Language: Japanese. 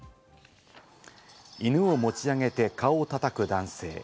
犬を持ち上げて顔をたたく男性。